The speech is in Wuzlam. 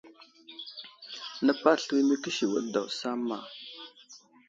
Nepaɗ slu i məkisiwid daw samma.